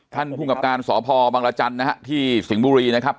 ท่านภูมิกับการสพบังรจันทร์นะฮะที่สิงห์บุรีนะครับ